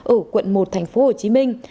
ở quận một thành phố hồ chí minh